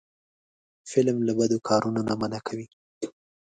فلم له بدو کارونو منع کوي